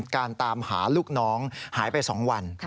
การตามหาลูกน้องหายไป๒วัน